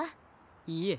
いえ。